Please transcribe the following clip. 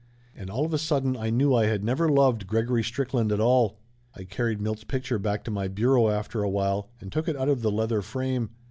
And all of a sudden I knew I had never loved Gregory Strickland at all. I carried Milt's picture back to my bureau after a while and took it out of the leather frame.